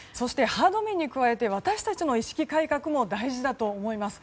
加えて私たちの意識改革も大事だと思います。